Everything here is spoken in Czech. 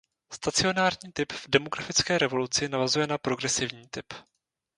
Stacionární typ v demografické revoluci navazuje na progresivní typ.